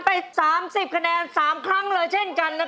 ไป๓๐คะแนน๓ครั้งเลยเช่นกันนะครับ